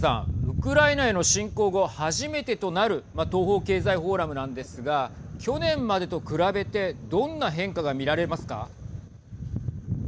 ウクライナへの侵攻後初めてとなる東方経済フォーラムなんですが去年までと比べてどんな変化が見られますか。